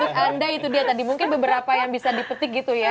dan untuk anda itu dia tadi mungkin beberapa yang bisa dipetik gitu ya